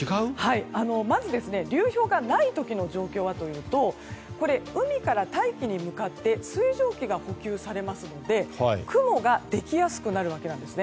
まず、流氷がない時の状況はというと海から大気に向かって水蒸気が補給されますので雲ができやすくなるわけです。